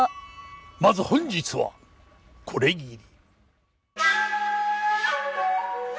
まず本日はこれぎり。